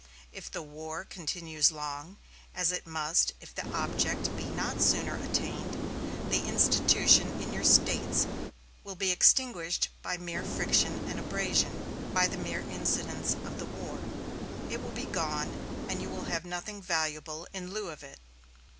If the war continues long, as it must if the object be not sooner attained, the institution in your States will be extinguished by mere friction and abrasion by the mere incidents of the war. It will be gone, and you will have nothing valuable in lieu of it.